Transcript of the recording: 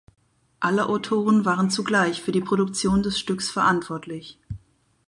Alle Autoren waren zugleich für die Produktion des Stücks verantwortlich.